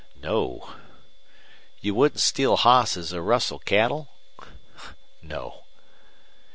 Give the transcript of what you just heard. "No." "You wouldn't steal hosses or rustle cattle?" "No."